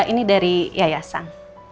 ini dari yayasan